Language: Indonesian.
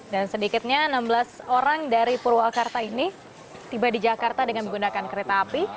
dan sedikitnya enam belas orang dari purwakarta ini tiba di jakarta dengan menggunakan kereta api